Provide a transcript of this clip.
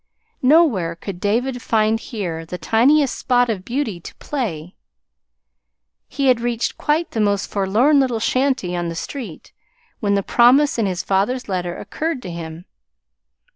Nowhere could David find here the tiniest spot of beauty to "play." He had reached quite the most forlorn little shanty on the street when the promise in his father's letter occurred to him.